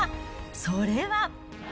それは。